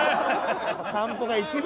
散歩が一番。